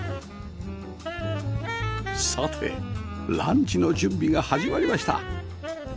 さてランチの準備が始まりました